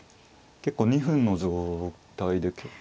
結構２分の状態でかなり。